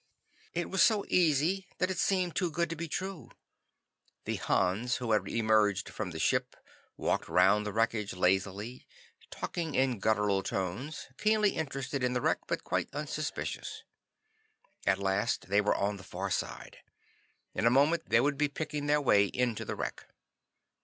It was so easy that it seemed too good to be true. The Hans who had emerged from the ship walked round the wreckage lazily, talking in guttural tones, keenly interested in the wreck, but quite unsuspicious. At last they were on the far side. In a moment they would be picking their way into the wreck.